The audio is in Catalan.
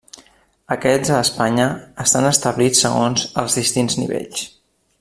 Aquests a Espanya estan establits segons els distints nivells.